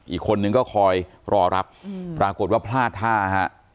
อีกคนนึงก็คอยรอรับปรากฏว่าพลาดท่าฮะ